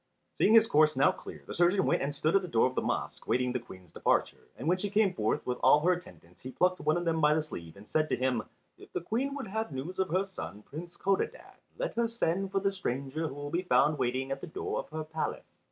Seeing his course now clear the surgeon went and stood at the door of the mosque, waiting the Queen's departure, and when she came forth with all her attendants he plucked one of them by the sleeve and said to him, "If the Queen would have news of her son, Prince Codadad, let her send for the stranger who will be found waiting at the door of her palace."